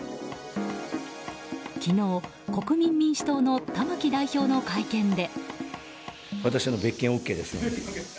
昨日、国民民主党の玉木代表の会見で。